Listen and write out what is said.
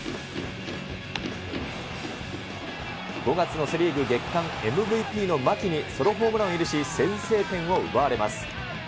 ５月のセ・リーグ月間ＭＶＰの牧にソロホームランを許し、先制点を奪われます。